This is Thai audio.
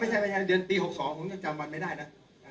ไม่ใช่ไม่ใช่เดือนปีหกสองผมจะจำวันไม่ได้ล่ะอ่า